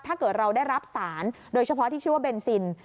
ถ้าเกิดเราได้รับสารโดยเฉพาะที่ชื่อว่าเบนซิน